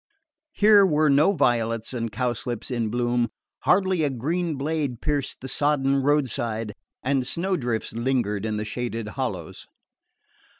Here were no violets and cowslips in bloom; hardly a green blade pierced the sodden roadside, and snowdrifts lingered in the shaded hollows.